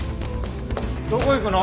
どこ行くの？